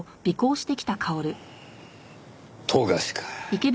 冨樫か。